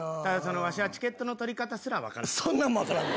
わしはチケットの取り方すら分からない。